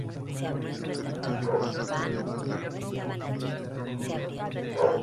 Su territorio pasa al gobierno de la República Popular Ucraniana.